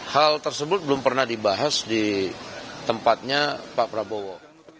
hal tersebut belum pernah dibahas di tempatnya pak prabowo